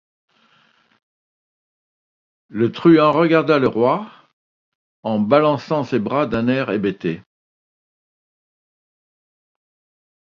Le truand regarda le roi, en balançant ses bras d'un air hébété.